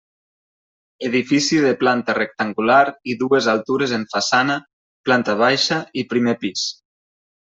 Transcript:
Edifici de planta rectangular i dues altures en façana, planta baixa i primer pis.